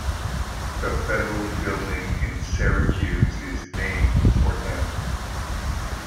The federal building in Syracuse is named for him.